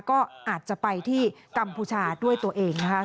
ก็อาจจะไปที่กัมพูชาด้วยตัวเองนะคะ